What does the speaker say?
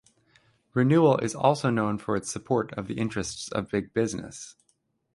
Renewal is also known for its support of the interests of big business.